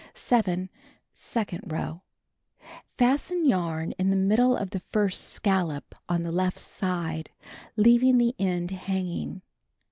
7. Second row: Fasten yarn in the middle of the first scallop on the left side, leaving the end hanging.